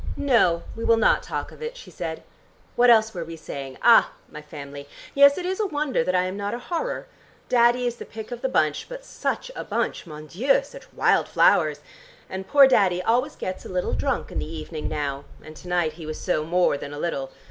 "No, we will not talk of it," she said. "What else were we saying? Ah, my family! Yes, it is a wonder that I am not a horror. Daddy is the pick of the bunch, but such a bunch, mon Dieu, such wild flowers; and poor Daddy always gets a little drunk in the evening now; and to night he was so more than a little.